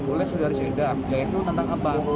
oleh saudari suendah yaitu tentang abang